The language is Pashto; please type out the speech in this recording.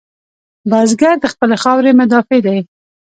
بزګر د خپلې خاورې مدافع دی